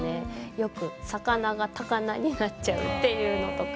よく「さかな」が「たかな」になっちゃうっていうのとか。